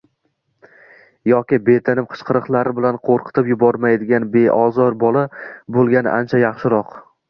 yoki betinim qichqiriqlari bilan qo‘rqitib yubormaydigan beozor bola bo‘lgani ancha yaxshiroq.